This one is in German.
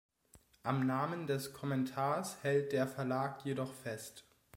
Am Namen des Kommentars hält der Verlag jedoch fest.